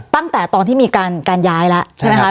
ตั้งแต่ตอนที่มีการย้ายแล้วใช่ไหมคะ